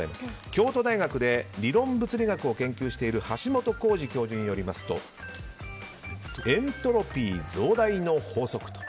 京都大学で論理物理学を研究している橋本幸士教授によりますとエントロピー増大の法則と。